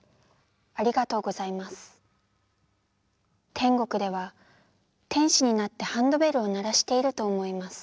天国では天子になってハンドベルを鳴らしていると思います。